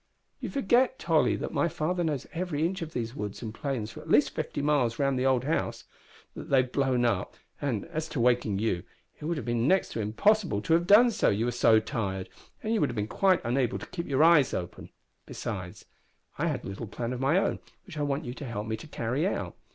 "You forget, Tolly, that my father knows every inch of these woods and plains for at least fifty miles round the old house they have blown up; and, as to waking you, it would have been next to impossible to have done so, you were so tired, and you would have been quite unable to keep your eyes open. Besides, I had a little plan of my own which I want you to help me to carry out.